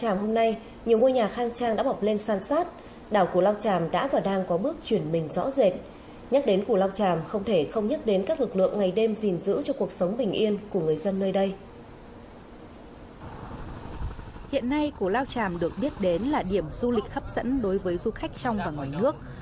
hiện nay củ lao tràm được biết đến là điểm du lịch hấp dẫn đối với du khách trong và ngoài nước